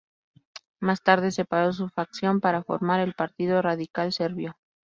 Más tarde separó su facción para formar el Partido Radical Serbio.